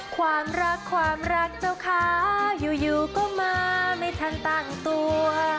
ความรักความรักเจ้าค้าอยู่ก็มาไม่ทันตั้งตัว